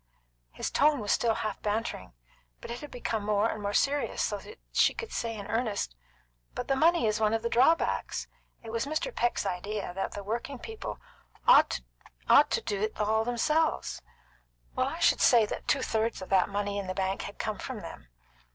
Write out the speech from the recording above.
His tone was still half bantering; but it had become more and more serious, so that she could say in earnest: "But the money is one of the drawbacks. It was Mr. Peck's idea that the working people ought to do it all themselves." "Well, I should say that two thirds of that money in the bank had come from them.